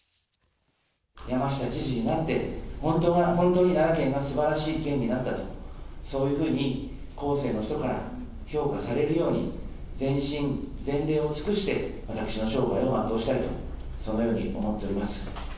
山下知事になって、本当に奈良県がすばらしい県になったと、そういうふうに後世の人から評価されるように、全身全霊を尽くして、私の生涯を全うしたいと、そのように思っております。